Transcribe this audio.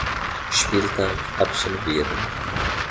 Spieltag absolvieren.